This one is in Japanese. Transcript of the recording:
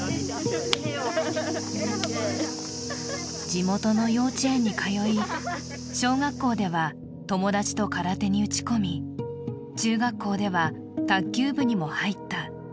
地元の幼稚園に通い、小学校では友達と空手に打ち込み、中学校では卓球部にも入った。